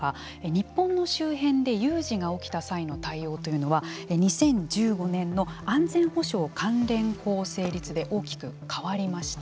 日本の周辺で有事が起きた際の対応というのは２０１５年の安全保障関連法成立で大きく変わりました。